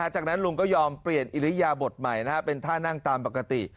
จากนั้นลุงก็ยอมเปลี่ยนอิริยาบทใหม่เป็นท่านั่งตามปกติ